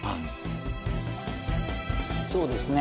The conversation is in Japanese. そうですね。